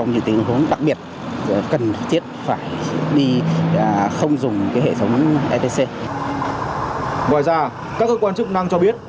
ngoài ra các cơ quan chức năng cho biết